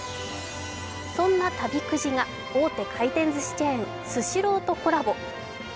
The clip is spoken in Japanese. そんな旅くじが大手回転ずしチェーン・スシローとコラボ。